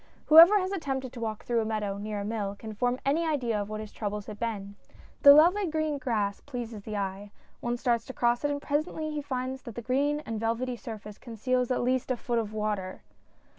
Whoever has attempted to walk through a meadow — near a mill — can form any idea of what his troubles had been ! The lovel}" green grass pleases the eye; one starts to cross it and presently he finds that the green and velvety surface conceals at least a foot of water.